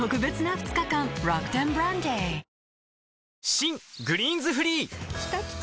新「グリーンズフリー」きたきた！